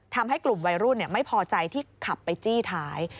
ทำให้กลุ่มวัยรุ่นไม่พอใจที่ขับไปจี้ท้าย